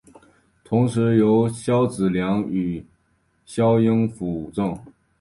同时由萧子良与萧鸾辅政。